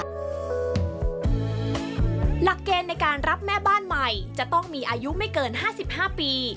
หลักเกณฑ์ในการรับแม่บ้านใหม่จะต้องมีอายุไม่เกิน๕๕ปี